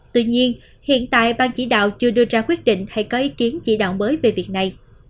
tuy nhiên hiện tại ban chỉ đạo chưa đưa ra quyết định hay có ý kiến chỉ đạo mới về việc này